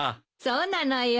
そうなのよ。